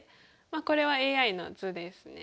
これはＡＩの図ですね。